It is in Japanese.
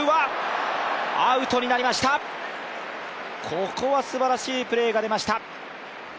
ここはすばらしいプレーが出ました。